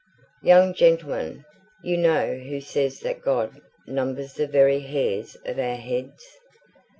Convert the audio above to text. Young gentleman, you know who says that God numbers the very hairs of our heads?